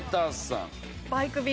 バイク便。